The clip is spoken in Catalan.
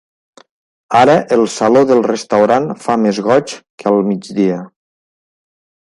Ara el saló del restaurant fa més goig que el migdia.